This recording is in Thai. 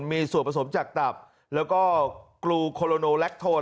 มีส่วนผสมจากตับแล้วก็กรูโคโลโนแลคโทน